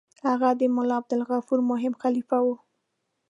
هغه د ملا عبدالغفور مهم خلیفه وو.